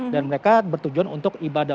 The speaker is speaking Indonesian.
dan mereka bertujuan untuk ibadah